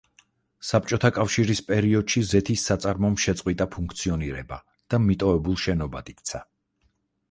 საბჭოთა კავშირის პერიოდში, ზეთის საწარმომ შეწყვიტა ფუნქციონირება და მიტოვებულ შენობად იქცა.